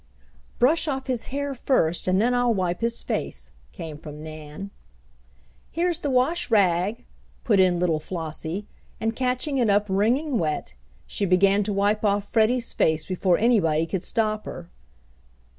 "Brush off his hair first, and then I'll wipe his face," came from Nan. "Here's the wash rag," put in little Flossie, and catching it up, wringing wet, she began to wipe off Freddie's face before anybody could stop her.